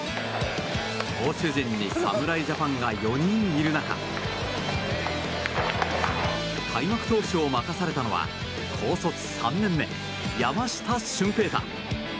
投手陣に侍ジャパンが４人いる中開幕投手を任されたのは高卒３年目、山下舜平大。